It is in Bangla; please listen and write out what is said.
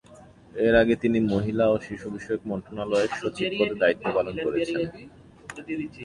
এর আগে তিনি মহিলা ও শিশু বিষয়ক মন্ত্রণালয়ের সচিব পদে দায়িত্ব পালন করেছেন।